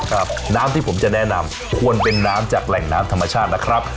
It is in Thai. ครับน้ำที่ผมจะแนะนำควรเป็นน้ำจากแหล่งน้ำธรรมชาตินะครับ